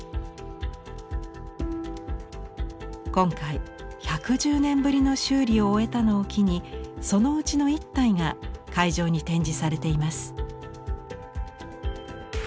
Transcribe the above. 今回１１０年ぶりの修理を終えたのを機にそのうちの一体が会場に展示されています。